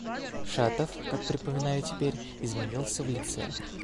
Шатов, как припоминаю теперь, изменился в лице.